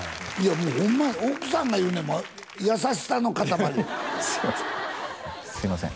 もうホンマや奥さんが言うねんもん優しさの固まりすいません